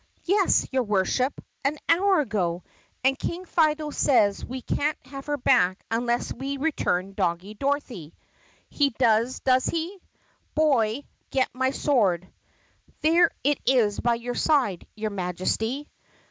"Yes, your Worship, an hour ago. And King Fido says we can't have her back until we return Doggie Dorothy." "He does, does he? Boy, get me my sword." "There it is by your side, your Majesty."